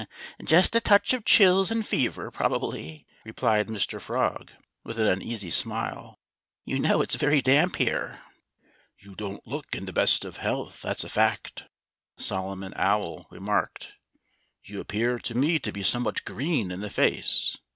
"Just a touch of chills and fever, probably!" replied Mr. Frog with an uneasy smile. "You know it's very damp here." "You don't look in the best of health—that's a fact!" Solomon Owl remarked. "You appear to me to be somewhat green in the face."